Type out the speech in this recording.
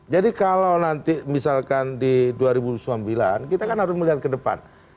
jadi kalau nanti misalkan di dua ribu dua puluh sembilan kita kan harus melihat ke depan